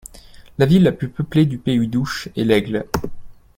La ville la plus peuplée du pays d'Ouche est L'Aigle.